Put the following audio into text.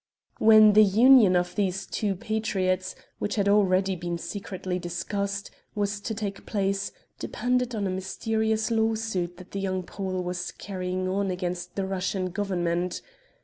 When the union of these two patriots which had already been secretly discussed was to take place, depended on a mysterious law suit that the young Pole was carrying on against the Russian government.